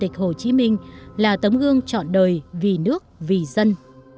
chủ tịch hồ chí minh là tấm gương chọn đời vì nước vì dân